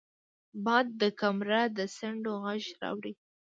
باد د کمره د څنډو غږ راوړي